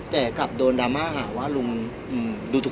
พี่อัดมาสองวันไม่มีใครรู้หรอก